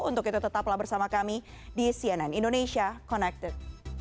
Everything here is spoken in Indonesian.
untuk itu tetaplah bersama kami di cnn indonesia connected